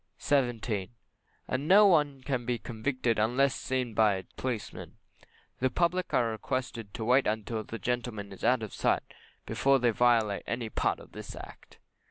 17. And as no one can be convicted unless seen by a policeman, the public are requested to wait till that gentlemen is out of sight before they violate any part of this Act.